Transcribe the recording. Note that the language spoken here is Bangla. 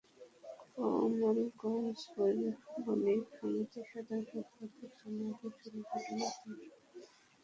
কমলগঞ্জ পৌর বণিক সমিতির সাধারণ সম্পাদক সানোয়ার হোসেন ঘটনার সত্যতা নিশ্চিত করেন।